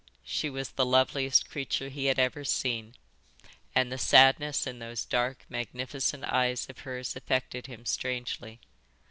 She was the loveliest creature he had ever seen, and the sadness in those dark, magnificent eyes of hers affected him strangely.